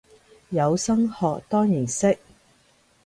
有心學當然識